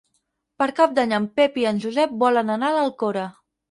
Per Cap d'Any en Pep i en Josep volen anar a l'Alcora.